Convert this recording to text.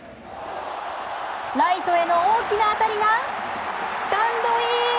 ライトへの大きな当たりがスタンドイン。